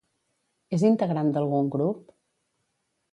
És integrant d'algun grup?